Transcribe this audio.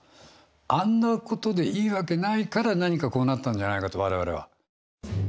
あんなことでいいわけないから何かこうなったんじゃないかと我々は。